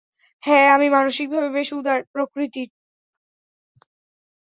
হ্যাঁ, আমি মানসিকভাবে বেশ উদার প্রকৃতির।